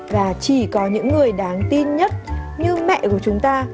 và chỉ có những người đáng tin nhất như mẹ của chúng ta